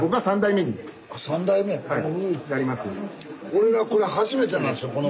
俺らこれ初めてなんですよ